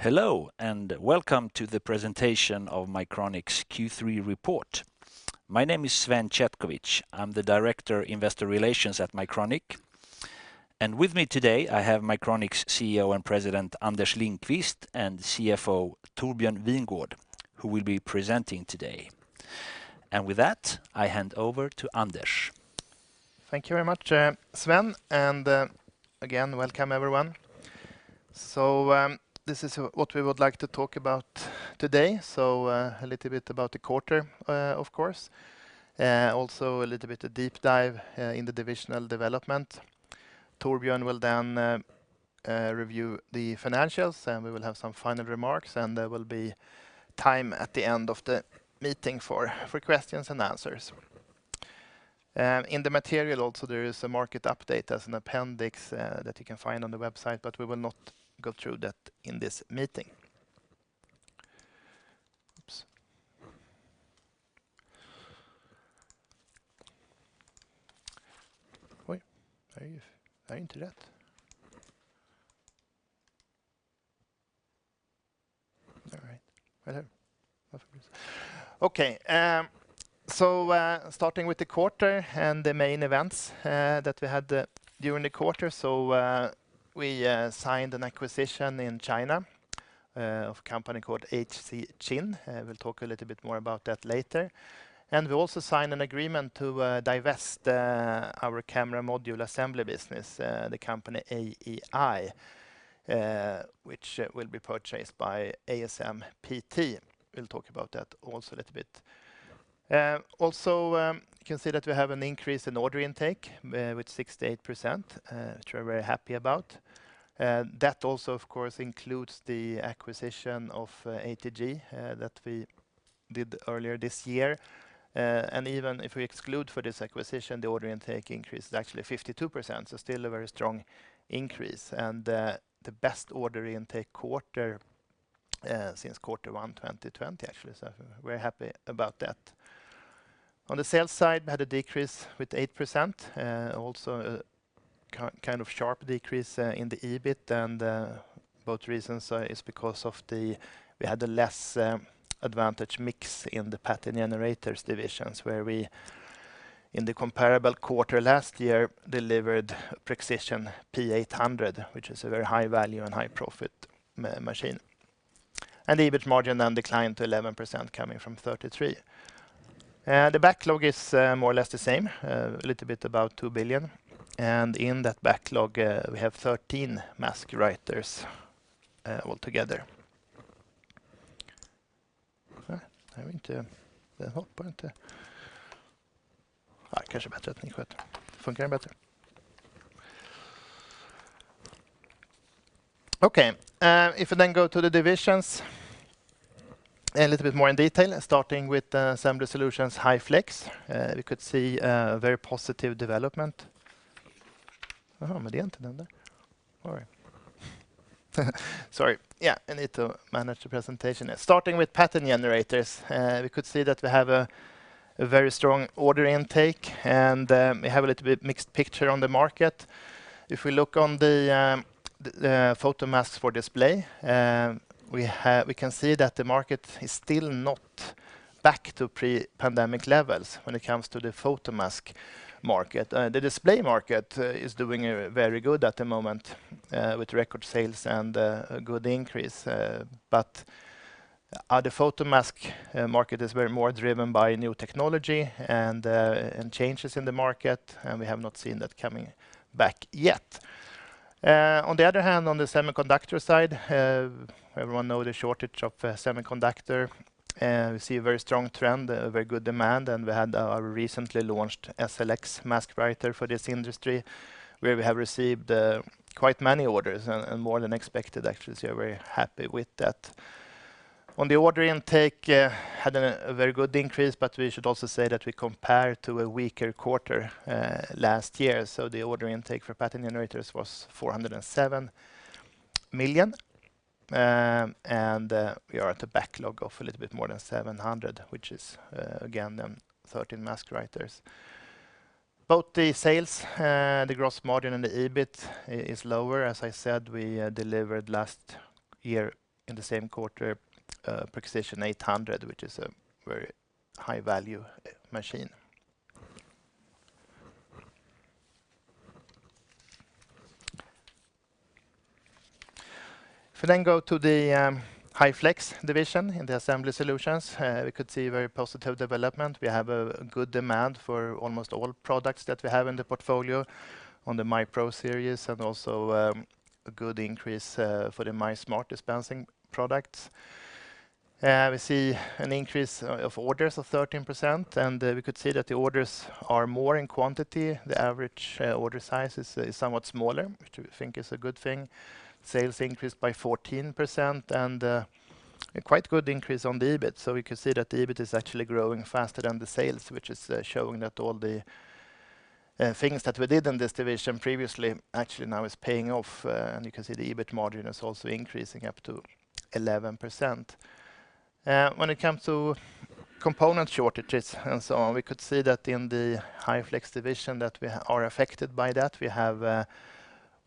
Hello, and welcome to the presentation of Mycronic's Q3 Report. My name is Sven Chetkovich. I'm the Director Investor Relations at Mycronic. With me today, I have Mycronic's CEO and President, Anders Lindqvist, and CFO, Torbjörn Wingårdh, who will be presenting today. With that, I hand over to Anders. Thank you very much, Sven, again, welcome everyone. This is what we would like to talk about today. A little bit about the quarter, of course, also a little bit of deep dive in the divisional development. Torbjörn will then review the financials, we will have some final remarks, there will be time at the end of the meeting for questions and answers. In the material also, there is a market update as an appendix that you can find on the website, we will not go through that in this meeting. Oops. Wait, are you into that? All right. Right here. Okay. Starting with the quarter and the main events that we had during the quarter. We signed an acquisition in China of a company called HC-Mold. We'll talk a little bit more about that later. We also signed an agreement to divest our camera module assembly business, the company AEi, which will be purchased by ASMPT. We'll talk about that also a little bit. You can see that we have an increase in order intake with 68%, which we're very happy about. That also, of course, includes the acquisition of ATG that we did earlier this year. Even if we exclude for this acquisition, the order intake increase is actually 52%, so still a very strong increase and the best order intake quarter since quarter one 2020, actually. We're happy about that. On the sales side, we had a decrease with 8%, also a kind of sharp decrease in the EBIT, both reasons is because of we had a less advantage mix in the Pattern Generators divisions, where we, in the comparable quarter last year, delivered Prexision 800 Evo, which is a very high value and high profit machine. The EBIT margin then declined to 11% coming from 33%. The backlog is more or less the same, a little bit above 2 billion. In that backlog, we have 13 mask writers altogether. Okay. If I then go to the divisions a little bit more in detail, starting with Assembly Solutions High Flex, we could see a very positive development. Sorry. Yeah, I need to manage the presentation. Starting with Pattern Generators, we could see that we have a very strong order intake. We have a little bit mixed picture on the market. If we look on the photomasks for display, we can see that the market is still not back to pre-pandemic levels when it comes to the photomask market. The display market is doing very good at the moment with record sales and a good increase. The photomask market is way more driven by new technology and changes in the market. We have not seen that coming back yet. On the other hand, on the semiconductor side, everyone knows the shortage of semiconductor. We see a very strong trend, a very good demand. We had our recently launched SLX mask writer for this industry, where we have received quite many orders and more than expected, actually. We're very happy with that. We had a very good increase on the order intake. We should also say that we compare to a weaker quarter last year. The order intake for Pattern Generators was 407 million. We are at a backlog of a little bit more than 700 million, which is, again, 13 mask writers. Both the sales, the gross margin, and the EBIT is lower. As I said, we delivered last year in the same quarter, Prexision 800, which is a very high-value machine. If I go to the High Flex division in the Assembly Solutions, we could see a very positive development. We have a good demand for almost all products that we have in the portfolio on the MYPro series and also a good increase for the MYSmart dispensing products. We see an increase of orders of 13%. We could see that the orders are more in quantity. The average order size is somewhat smaller, which we think is a good thing. Sales increased by 14% and a quite good increase on the EBIT. We can see that the EBIT is actually growing faster than the sales, which is showing that all the things that we did in this division previously actually now is paying off. You can see the EBIT margin is also increasing up to 11%. When it comes to component shortages and so on, we could see that in the High Flex division that we are affected by that.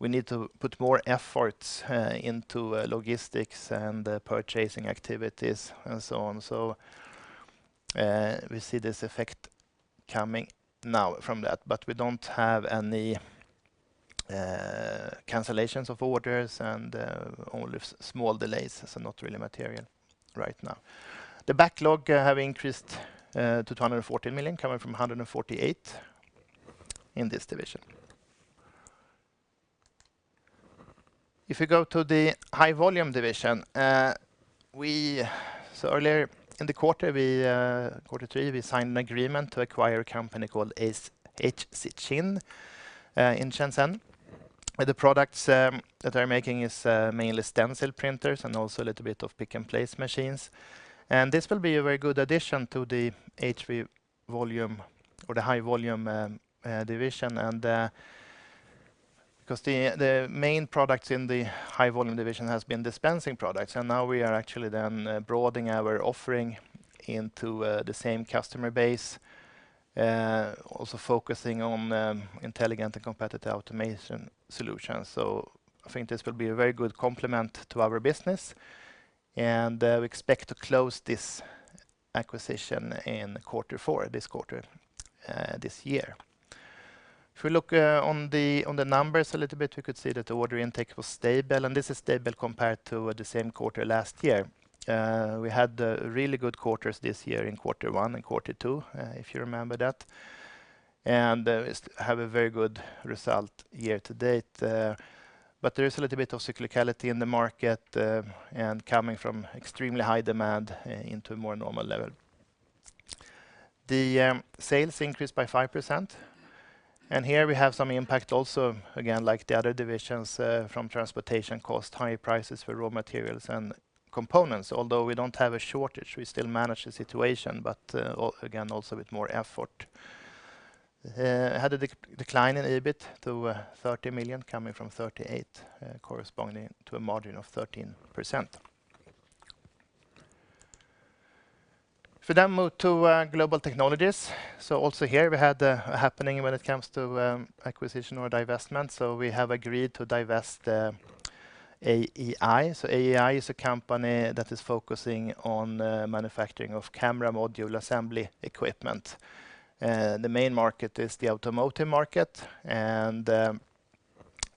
We need to put more efforts into logistics and purchasing activities and so on. We see this effect coming now from that, but we don't have any cancellations of orders and only small delays, so not really material right now. The backlog have increased to 214 million coming from 148 million in this division. If we go to the High Volume Division, earlier in quarter three, we signed an agreement to acquire a company called Shenzhen Huan Cheng Xin Precision Manufacture Co., Ltd. in Shenzhen, where the products that they're making is mainly stencil printers and also a little bit of pick-and-place machines. This will be a very good addition to the High Volume Division because the main products in the High Volume Division has been dispensing products, now we are actually then broadening our offering into the same customer base, also focusing on intelligent and competitive automation solutions. I think this will be a very good complement to our business, we expect to close this acquisition in quarter four, this quarter, this year. If we look on the numbers a little bit, we could see that the order intake was stable, and this is stable compared to the same quarter last year. We had really good quarters this year in quarter one and quarter two, if you remember that, and have a very good result year to date. There is a little bit of cyclicality in the market, and coming from extremely high demand into a more normal level. The sales increased by 5%, and here we have some impact also, again, like the other divisions, from transportation cost, high prices for raw materials and components. Although we don't have a shortage, we still manage the situation, but, again, also with more effort. Had a decline in EBIT to 30 million coming from 38 million, corresponding to a margin of 13%. If we move to Global Technologies, also here we had a happening when it comes to acquisition or divestment. We have agreed to divest AEi. AEi is a company that is focusing on manufacturing of camera module assembly equipment. The main market is the automotive market, and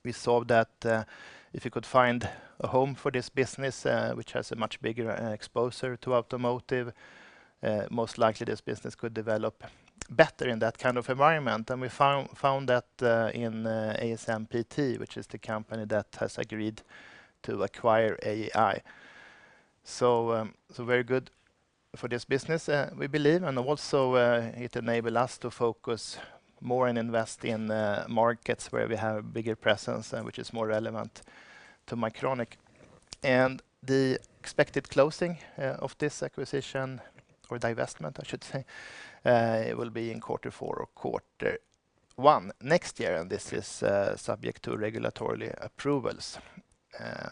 we saw that if we could find a home for this business, which has a much bigger exposure to automotive, most likely this business could develop better in that kind of environment. We found that in ASMPT, which is the company that has agreed to acquire AEi. Very good for this business, we believe. Also, it enable us to focus more and invest in markets where we have a bigger presence and which is more relevant to Mycronic. The expected closing of this acquisition or divestment, I should say, it will be in quarter 4 or quarter 1 next year, and this is subject to regulatory approvals,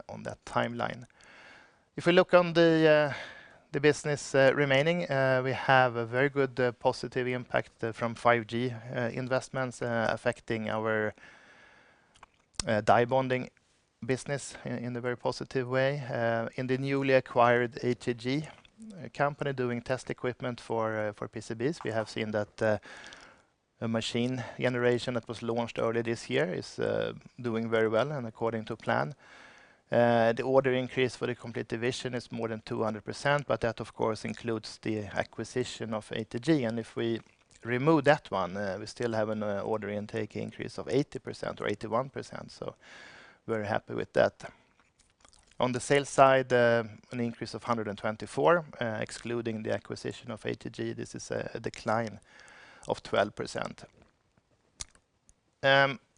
on that timeline. If we look on the business remaining, we have a very good positive impact from 5G investments affecting our die bonding business in a very positive way. In the newly acquired ATG company doing test equipment for PCBs, we have seen that a machine generation that was launched early this year is doing very well and according to plan. The order increase for the complete division is more than 200%, but that of course includes the acquisition of ATG, and if we remove that one, we still have an order intake increase of 80% or 81%, so very happy with that. On the sales side, an increase of 124%, excluding the acquisition of atg, this is a decline of 12%.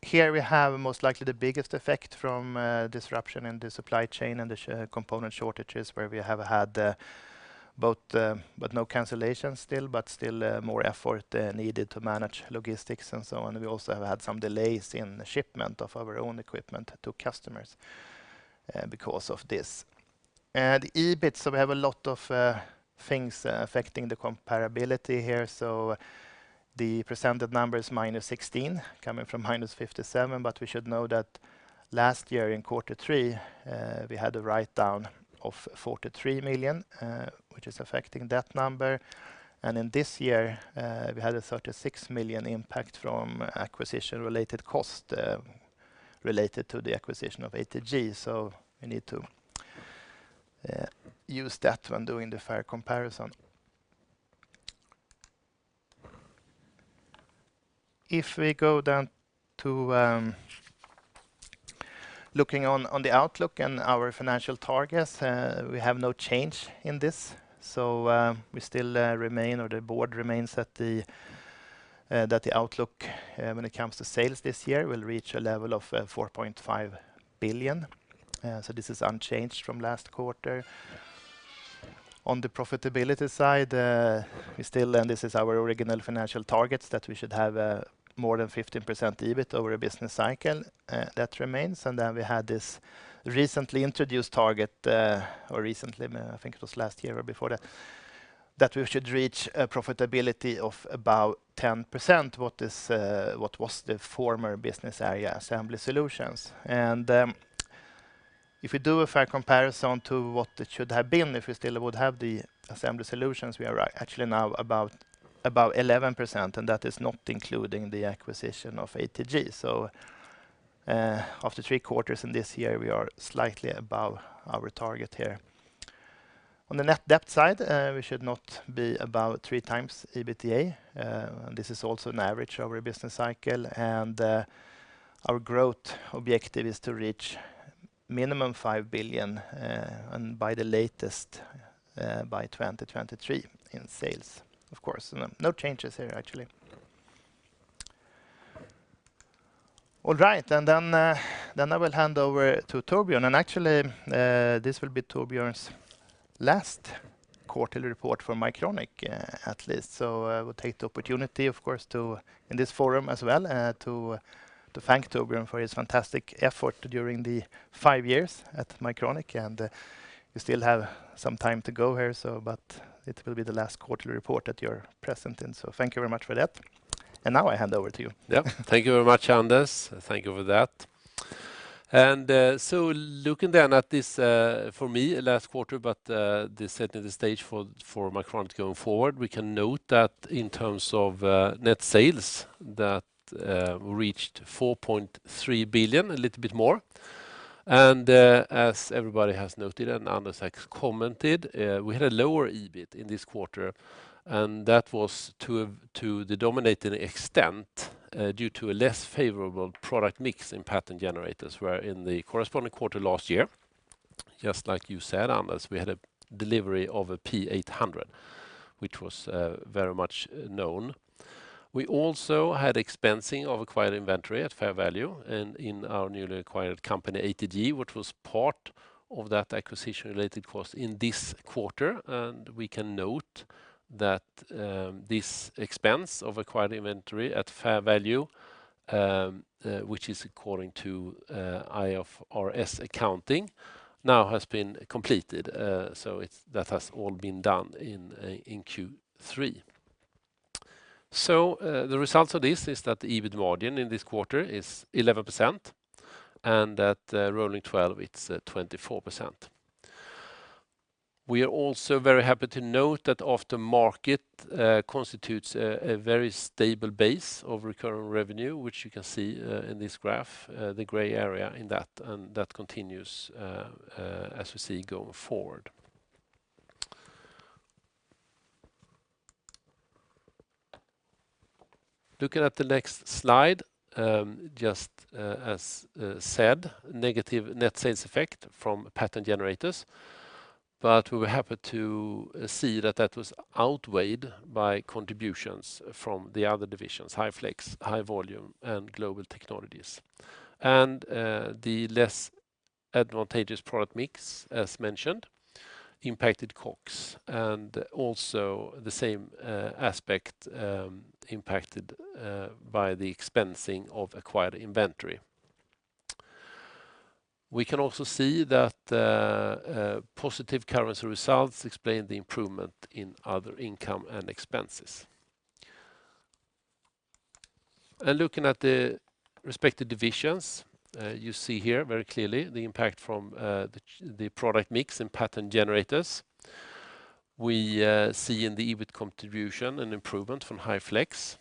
Here we have most likely the biggest effect from disruption in the supply chain and the component shortages where we have had both, but no cancellations still, but still more effort needed to manage logistics and so on. We also have had some delays in shipment of our own equipment to customers because of this. EBIT, we have a lot of things affecting the comparability here. The presented number is -16, coming from -57, but we should know that last year in quarter three, we had a write-down of 43 million, which is affecting that number. In this year, we had a 36 million impact from acquisition related cost, related to the acquisition of atg. We need to use that when doing the fair comparison. If we go down to looking on the outlook and our financial targets, we have no change in this. We still remain, or the board remains that the outlook, when it comes to sales this year, will reach a level of 4.5 billion. This is unchanged from last quarter. On the profitability side, we still, this is our original financial targets, we should have more than 15% EBIT over a business cycle, that remains. Then we had this recently introduced target, or recently, I think it was last year or before that. We should reach a profitability of about 10%, what was the former business area assembly solutions. If we do a fair comparison to what it should have been, if we still would have the assembly solutions, we are actually now about 11%, and that is not including the acquisition of ATG. After 3 quarters in this year, we are slightly above our target here. On the net debt side, we should not be above 3 times EBITDA. This is also an average over a business cycle, and our growth objective is to reach minimum 5 billion, and by the latest, by 2023 in sales, of course. No changes here, actually. All right. I will hand over to Torbjörn. This will be Torbjörn's last quarterly report for Mycronic, at least. I will take the opportunity, of course, to, in this forum as well, to thank Torbjörn for his fantastic effort during the five years at Mycronic. You still have some time to go here, but it will be the last quarterly report that you're present in. Thank you very much for that. I hand over to you. Yep. Thank you very much, Anders. Thank you for that. Looking then at this, for me, last quarter, but this setting the stage for Mycronic going forward. We can note that in terms of net sales, that we reached 4.3 billion, a little bit more. As everybody has noted and Anders has commented, we had a lower EBIT in this quarter, and that was to the dominating extent, due to a less favorable product mix in Pattern Generators, where in the corresponding quarter last year, just like you said, Anders, we had a delivery of a P800, which was very much known. We also had expensing of acquired inventory at fair value and in our newly acquired company, ATG, which was part of that acquisition related cost in this quarter. We can note that this expense of acquired inventory at fair value, which is according to IFRS accounting, now has been completed. That has all been done in Q3. The results of this is that the EBIT margin in this quarter is 11%, and that rolling 12, it's 24%. We are also very happy to note that after market constitutes a very stable base of recurring revenue, which you can see in this graph, the gray area in that, and that continues as we see going forward. Looking at the next slide, just as said, negative net sales effect from pattern generators, but we were happy to see that that was outweighed by contributions from the other divisions, High Flex, High Volume, and Global Technologies. The less advantageous product mix, as mentioned, impacted COGS and also the same aspect impacted by the expensing of acquired inventory. We can also see that positive currency results explain the improvement in other income and expenses. Looking at the respective divisions, you see here very clearly the impact from the product mix and pattern generators. We see in the EBIT contribution an improvement from High Flex.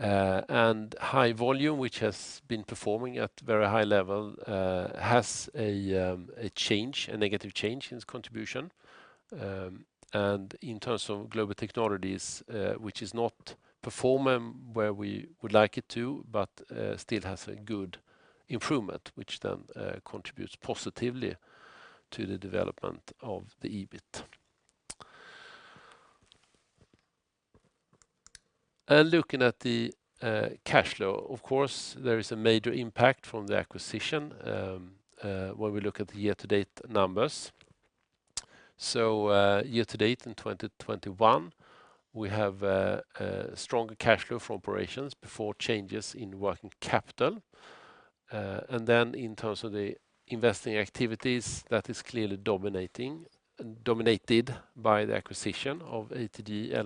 High Volume, which has been performing at very high level, has a negative change in its contribution. In terms of Global Technologies, which is not performing where we would like it to, but still has a good improvement, which then contributes positively to the development of the EBIT. Looking at the cash flow, of course, there is a major impact from the acquisition, when we look at the year-to-date numbers. Year to date in 2021, we have a stronger cash flow from operations before changes in working capital. In terms of the investing activities, that is clearly dominated by the acquisition of atg Luther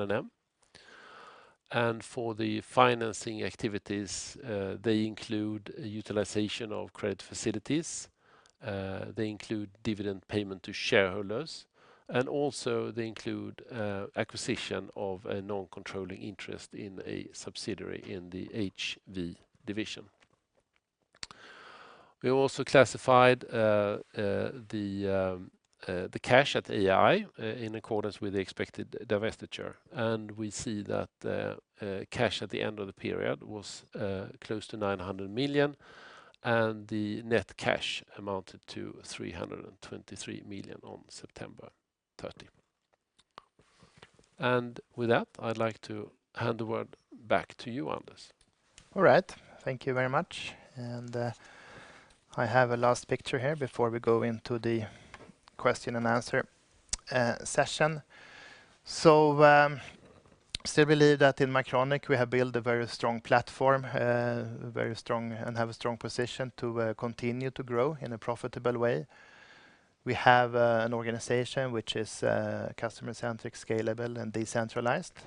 & Maelzer. For the financing activities, they include utilization of credit facilities, they include dividend payment to shareholders, and also they include acquisition of a non-controlling interest in a subsidiary in the HV division. We also classified the cash at AEi in accordance with the expected divestiture, we see that cash at the end of the period was close to 900 million, and the net cash amounted to 323 million on 30 September. With that, I'd like to hand the word back to you, Anders. All right. Thank you very much. I have one last picture here before we go into the question-and-answer session. Still believe that in Mycronic, we have built a very strong platform and have a strong position to continue to grow in a profitable way. We have an organization which is customer-centric, scalable, and decentralized,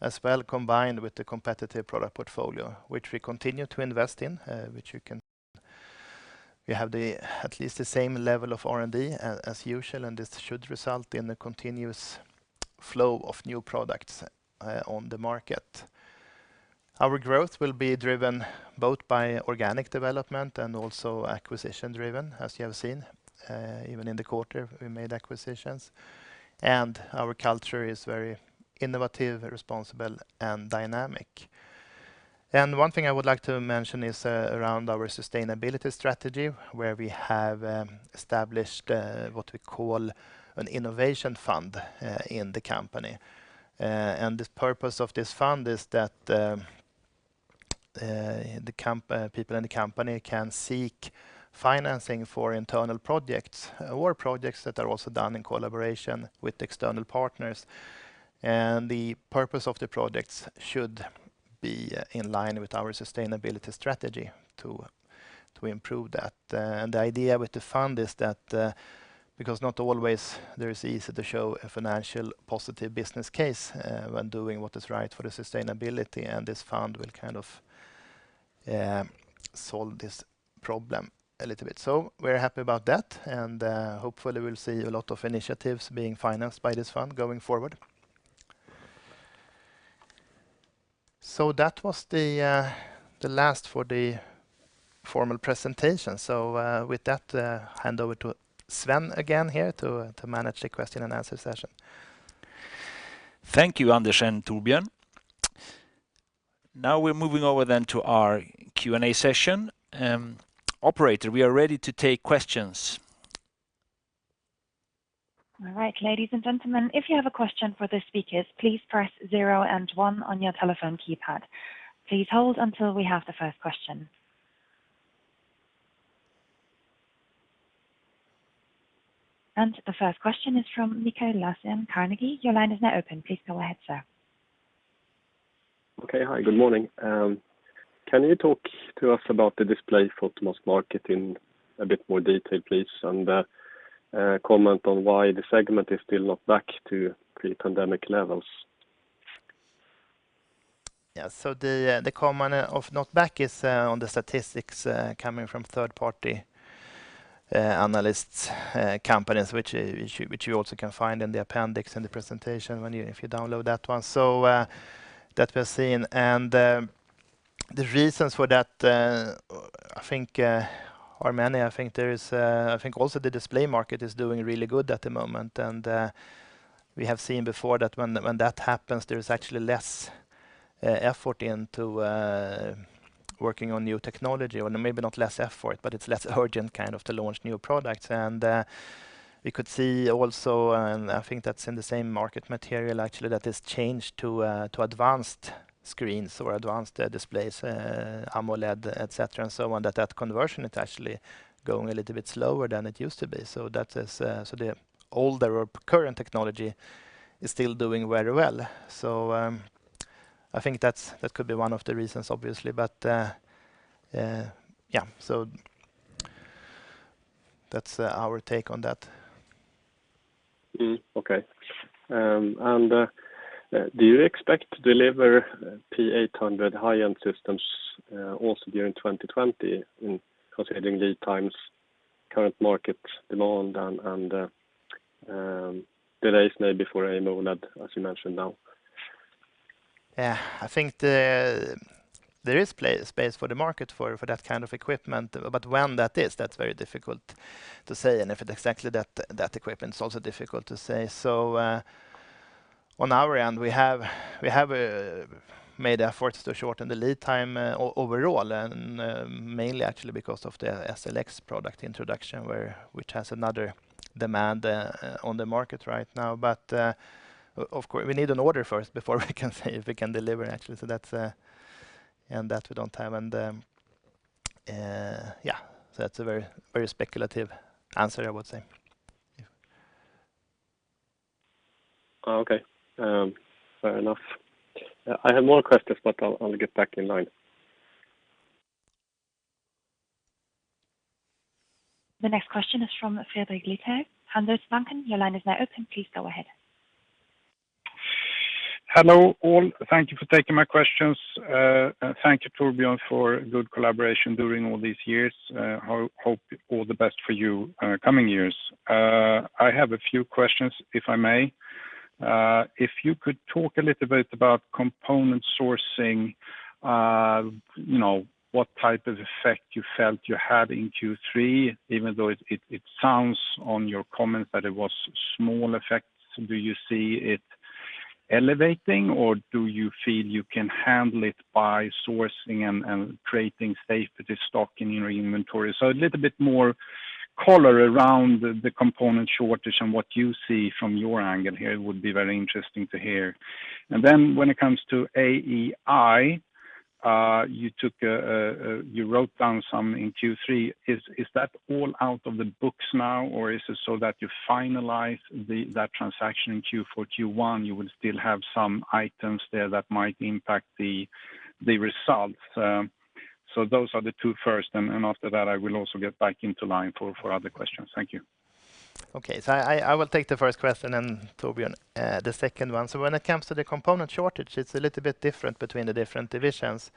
as well combined with the competitive product portfolio, which we continue to invest in. We have at least the same level of R&D as usual, and this should result in a continuous flow of new products on the market. Our growth will be driven both by organic development and also acquisition-driven, as you have seen. Even in the quarter, we made acquisitions. Our culture is very innovative, responsible, and dynamic. One thing I would like to mention is around our sustainability strategy, where we have established what we call an innovation fund in the company. The purpose of this fund is that the people in the company can seek financing for internal projects or projects that are also done in collaboration with external partners. The purpose of the projects should be in line with our sustainability strategy to improve that. The idea with the fund is that, because not always there is easy to show a financial positive business case when doing what is right for the sustainability, and this fund will kind of solve this problem a little bit. We're happy about that, and hopefully we'll see a lot of initiatives being financed by this fund going forward. That was the last for the formal presentation. With that, hand over to Sven again here to manage the question-and-answer session. Thank you, Anders and Torbjörn. We're moving over then to our Q&A session. Operator, we are ready to take questions. All right, ladies and gentlemen, if you have a question for the speakers, please press zero and one on your telephone keypad. Please hold until we have the first question. The first question is from Niklas Larsen, Carnegie. Your line is now open. Please go ahead, sir. Okay. Hi, good morning. Can you talk to us about the display photomask market in a bit more detail, please, and comment on why the segment is still not back to pre-pandemic levels? Yeah. The comment of not back is on the statistics coming from third-party analyst companies, which you also can find in the appendix in the presentation if you download that one. That we're seeing. The reasons for that, I think, are many. I think also the display market is doing really good at the moment. We have seen before that when that happens, there is actually less effort into working on new technology. Well, maybe not less effort, but it's less urgent to launch new products. We could see also, and I think that's in the same market material, actually, that has changed to advanced screens or advanced displays, AMOLED, et cetera, and so on, that that conversion is actually going a little bit slower than it used to be. The older or current technology is still doing very well. I think that could be one of the reasons, obviously. Yeah. That's our take on that. Okay. Do you expect to deliver P800 high-end systems also during 2020, considering lead times, current market demand, and delays maybe for AMOLED, as you mentioned now? Yeah. I think there is space for the market for that kind of equipment. When that is, that's very difficult to say. If it's exactly that equipment, it's also difficult to say. On our end, we have made efforts to shorten the lead time overall, and mainly actually because of the SLX product introduction, which has another demand on the market right now. We need an order first before we can say if we can deliver, actually. That we don't have. That's a very speculative answer, I would say. Yeah. Okay. Fair enough. I have more questions, but I'll get back in line. The next question is from Fredrik Krüger, Handelsbanken. Your line is now open. Please go ahead. Hello, all. Thank you for taking my questions. Thank you, Torbjörn, for good collaboration during all these years. Hope all the best for you coming years. I have a few questions, if I may. If you could talk a little bit about component sourcing, what type of effect you felt you had in Q3, even though it sounds on your comments that it was small effects. Do you see it elevating, or do you feel you can handle it by sourcing and creating safety stock in your inventory? A little bit more color around the component shortage and what you see from your angle here would be very interesting to hear. Then when it comes to AEi. You wrote down some in Q3. Is that all out of the books now, or is it so that you finalize that transaction in Q4, Q1, you will still have some items there that might impact the results? After that, I will also get back into line for other questions. Thank you. Okay. I will take the first question, and Torbjörn Wingårdh the second one. When it comes to the component shortage, it's a little bit different between the different divisions,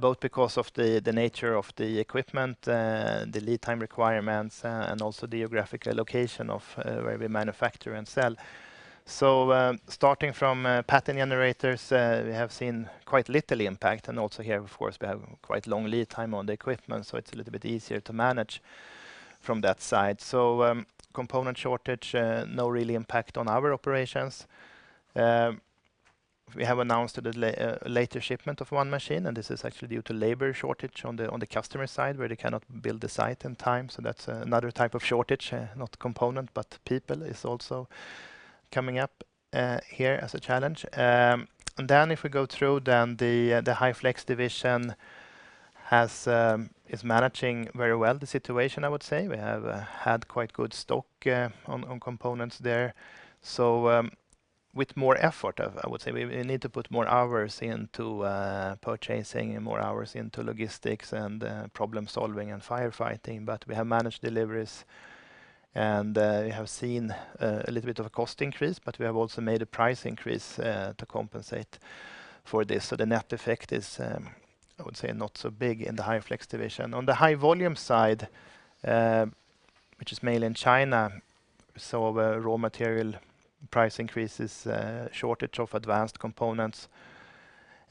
both because of the nature of the equipment, the lead time requirements, and also geographical location of where we manufacture and sell. Starting from Pattern Generators, we have seen quite little impact, and also here, of course, we have quite long lead time on the equipment, so it's a little bit easier to manage from that side. Component shortage, no really impact on our operations. We have announced a later shipment of one machine, and this is actually due to labor shortage on the customer side, where they cannot build the site in time. That's another type of shortage, not component, but people is also coming up here as a challenge. If we go through, then the High Flex division is managing very well the situation, I would say. We have had quite good stock on components there. With more effort, I would say. We need to put more hours into purchasing and more hours into logistics and problem-solving and firefighting, but we have managed deliveries, and we have seen a little bit of a cost increase, but we have also made a price increase to compensate for this. The net effect is, I would say, not so big in the High Flex division. On the High Volume side, which is mainly in China, we saw raw material price increases, shortage of advanced components,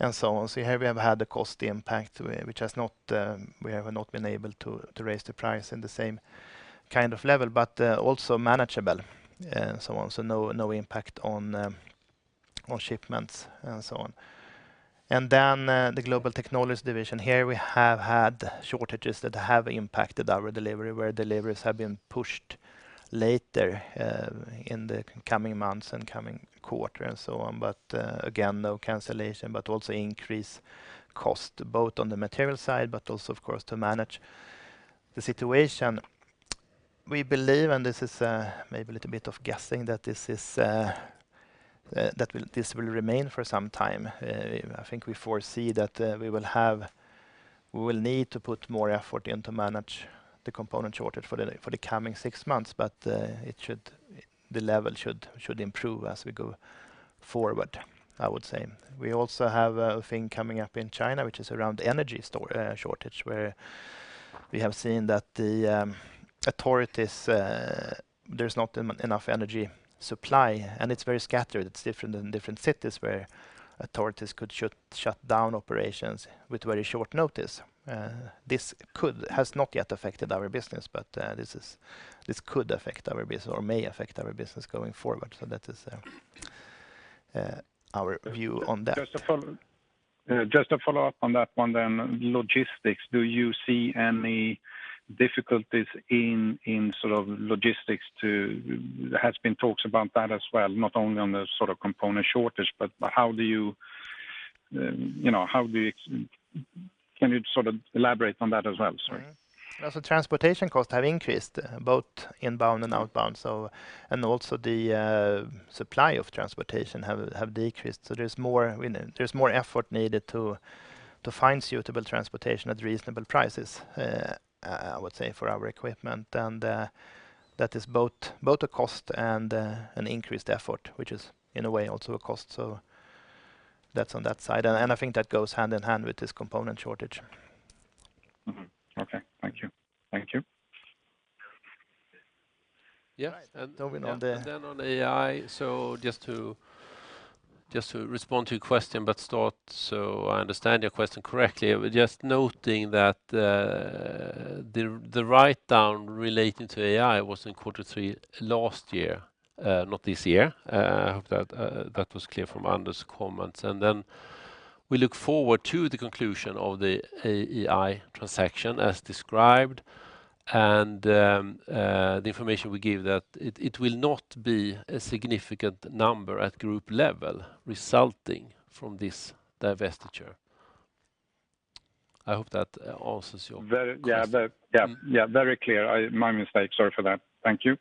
and so on. Here we have had a cost impact where we have not been able to raise the price in the same kind of level, but also manageable. No impact on shipments and so on. The Global Technologies division. Here we have had shortages that have impacted our delivery, where deliveries have been pushed later in the coming months and coming quarter and so on. Again, no cancellation, but also increased cost, both on the material side, but also, of course, to manage the situation. We believe, and this is maybe a little bit of guessing, that this will remain for some time. I think we foresee that we will need to put more effort in to manage the component shortage for the coming six months, but the level should improve as we go forward, I would say. We also have a thing coming up in China, which is around energy shortage, where we have seen that there is not enough energy supply, and it is very scattered. It is different in different cities where authorities could shut down operations with very short notice. This has not yet affected our business, but this could affect our business, or may affect our business going forward. That is our view on that. Just a follow-up on that one. Logistics, do you see any difficulties in logistics? There has been talk about that as well, not only on the component shortage. Can you elaborate on that as well? Sorry. Transportation costs have increased both inbound and outbound, and also the supply of transportation have decreased. There is more effort needed to find suitable transportation at reasonable prices, I would say, for our equipment. That is both a cost and an increased effort, which is in a way, also a cost. That's on that side. I think that goes hand in hand with this component shortage. Okay. Thank you. Yes. Torbjörn on the Then on AEi, just to respond to your question, but start so I understand your question correctly. Just noting that the write-down relating to AEi was in quarter three last year, not this year. I hope that was clear from Anders' comments. Then we look forward to the conclusion of the AEi transaction as described, and the information we give that it will not be a significant number at group level resulting from this divestiture. I hope that answers your question. Yeah. Very clear. My mistake. Sorry for that. Thank you.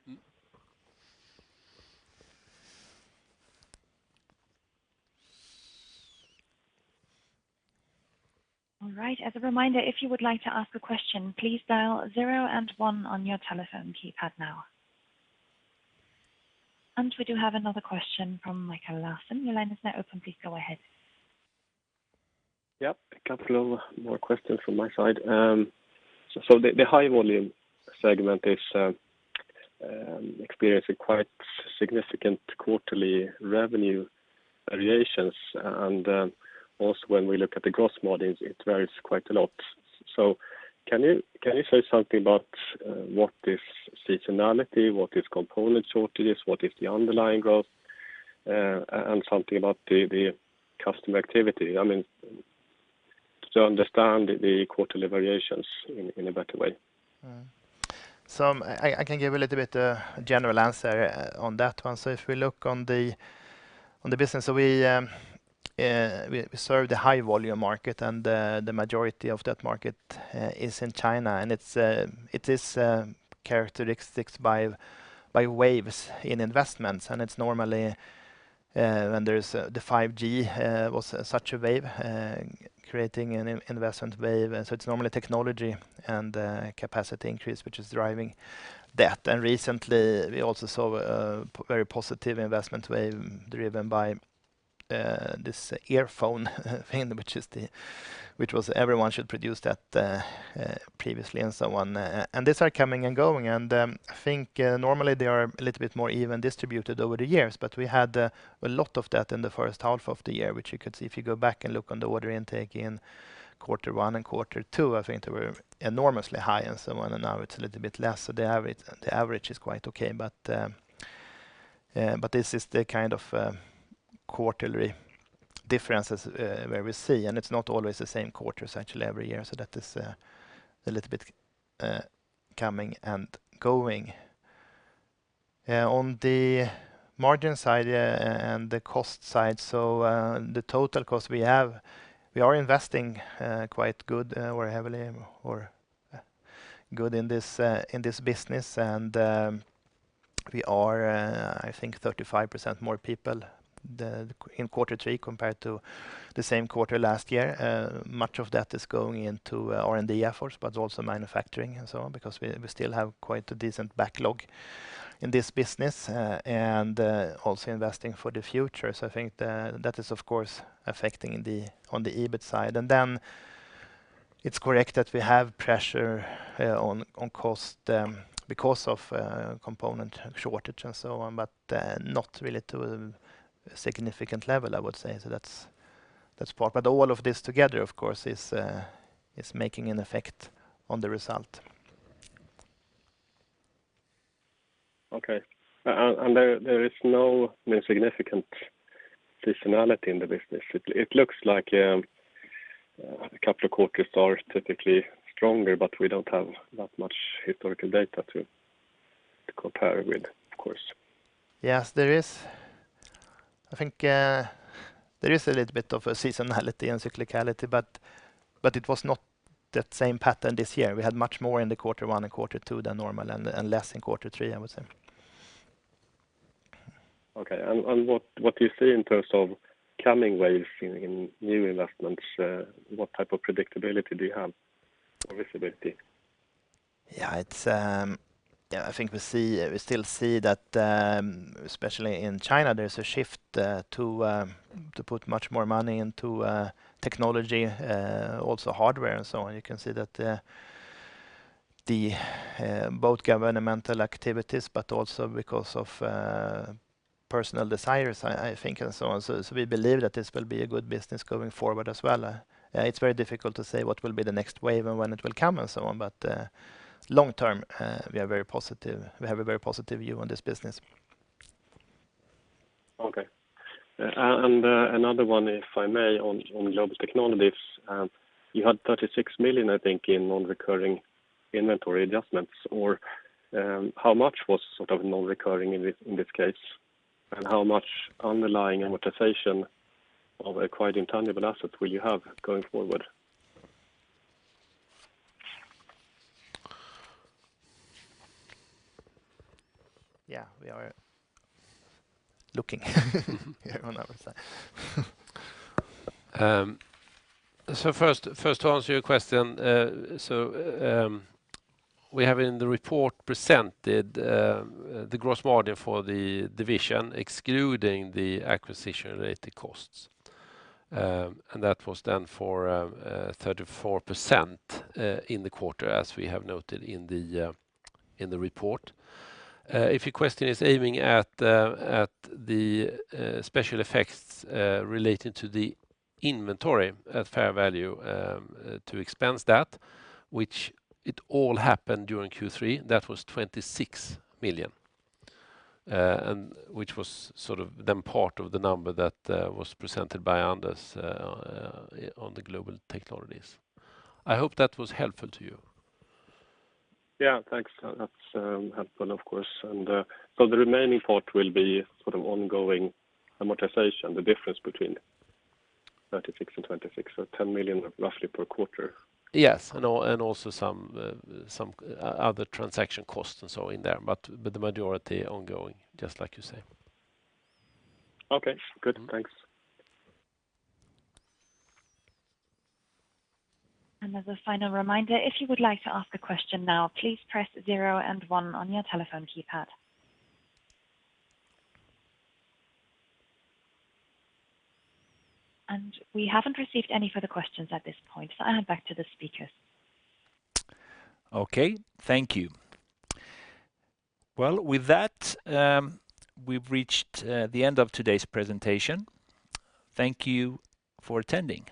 All right. We do have another question from Mikael Laséen. Your line is now open. Please go ahead. Yep. A couple of more questions from my side. The High Volume segment is experiencing quite significant quarterly revenue variations, and also when we look at the gross margins, it varies quite a lot. Can you say something about what is seasonality, what is component shortages, what is the underlying growth, and something about the customer activity to understand the quarterly variations in a better way? I can give a little bit a general answer on that one. If we look on the business, we serve the high volume market and the majority of that market is in China, and it is characteristics by waves in investments. It's normally when there's the 5G was such a wave, creating an investment wave. It's normally technology and capacity increase, which is driving that. Recently we also saw a very positive investment wave driven by this earphone thing, which was everyone should produce that previously and so on. These are coming and going, and I think normally they are a little bit more even distributed over the years, but we had a lot of that in the 1st half of the year, which you could see if you go back and look on the order intake in quarter one and quarter two, I think they were enormously high and so on. Now it's a little bit less. The average is quite okay, but this is the kind of quarterly differences where we see, and it's not always the same quarters actually every year. That is a little bit coming and going. On the margin side and the cost side, so the total cost we have, we are investing quite good or heavily or good in this business. We are I think 35% more people in Q3 compared to the same quarter last year. Much of that is going into R&D efforts, but also manufacturing and so on because we still have quite a decent backlog in this business. Also investing for the future. I think that is of course affecting on the EBIT side. It's correct that we have pressure on cost because of component shortage and so on, but not really to a significant level, I would say. That's part, but all of this together of course is making an effect on the result. Okay. There is no significant seasonality in the business. It looks like a couple of quarters are typically stronger, but we don't have that much historical data to compare with, of course. Yes, there is. I think there is a little bit of a seasonality and cyclicality. It was not that same pattern this year. We had much more in the quarter one and quarter two than normal and less in quarter three, I would say. Okay. What do you see in terms of coming waves in new investments? What type of predictability do you have or visibility? Yeah, I think we still see that, especially in China, there's a shift to put much more money into technology, also hardware and so on. You can see that the both governmental activities, but also because of personal desires, I think, and so on. We believe that this will be a good business going forward as well. It's very difficult to say what will be the next wave and when it will come and so on, but long term we have a very positive view on this business. Okay. Another one, if I may, on Global Technologies. You had 36 million, I think, in non-recurring inventory adjustments, or how much was non-recurring in this case? How much underlying amortization of acquired intangible assets will you have going forward? Yeah, we are looking on that side. First to answer your question, we have in the report presented the gross margin for the division excluding the acquisition-related costs. That was then for 34% in the quarter, as we have noted in the report. If your question is aiming at the special effects relating to the inventory at fair value to expense that, which it all happened during Q3, that was 26 million, and which was sort of then part of the number that was presented by Anders on the Global Technologies. I hope that was helpful to you. Yeah, thanks. That's helpful of course. The remaining part will be sort of ongoing amortization, the difference between 36 and 26, so 10 million roughly per quarter. Yes, also some other transaction costs and so on in there, but the majority ongoing, just like you say. Okay, good. Thanks. As a final reminder, if you would like to ask a question now, please press zero and one on your telephone keypad. We haven't received any further questions at this point, so I hand back to the speakers. Okay, thank you. Well, with that, we've reached the end of today's presentation. Thank you for attending.